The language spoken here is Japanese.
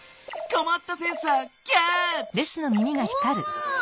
こまったセンサーキャッチ！